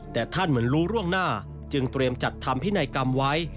แต่ท่านเหมือนรู้ร่วงหน้าจึงเตรียมจัดทำพินัยกรรมไว้